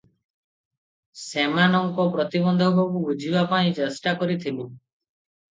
ସେମାନଙ୍କ ପ୍ରତିବନ୍ଧକକୁ ବୁଝିବା ପାଇଁ ଚେଷ୍ଟାକରିଥିଲି ।